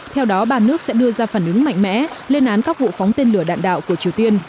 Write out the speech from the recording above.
theo đó ba nước sẽ đưa ra phản ứng mạnh mẽ lên án các vụ phóng tên lửa đạn đạo của triều tiên